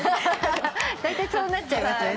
だいたいそうなっちゃいますよね。